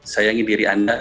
sayangi diri anda